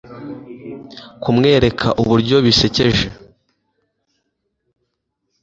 kumwereka uburyo bisekeje